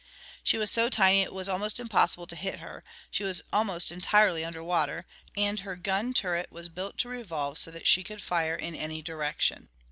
She was so tiny it was almost impossible to hit her; she was almost entirely under water, and her gun turret was built to revolve so that she could fire in any direction.